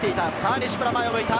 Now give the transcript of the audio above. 西村、前を向いた。